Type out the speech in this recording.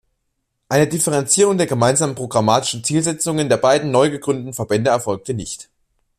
Eine Differenzierung der gemeinsamen programmatischen Zielsetzungen der beiden neu gegründeten Verbände erfolgte nicht.